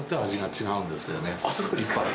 あっそうですか。